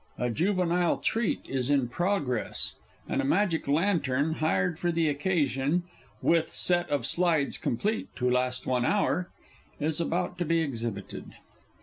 A Juvenile Treat is in progress, and a Magic Lantern, hired for the occasion, "with set of slides complete to last one hour," is about to be exhibited.